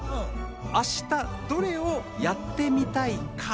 あしたどれをやってみたいか？